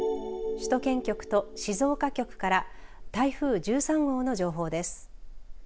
首都圏局と静岡局から台風１３号の情報です。